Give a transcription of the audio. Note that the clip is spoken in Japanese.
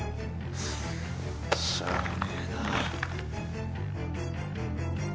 しゃあねえな。